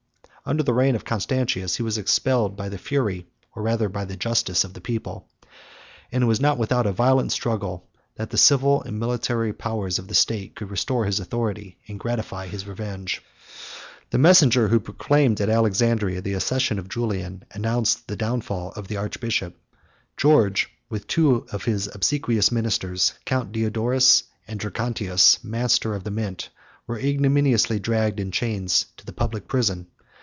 Under the reign of Constantius, he was expelled by the fury, or rather by the justice, of the people; and it was not without a violent struggle, that the civil and military powers of the state could restore his authority, and gratify his revenge. The messenger who proclaimed at Alexandria the accession of Julian, announced the downfall of the archbishop. George, with two of his obsequious ministers, Count Diodorus, and Dracontius, master of the mint were ignominiously dragged in chains to the public prison.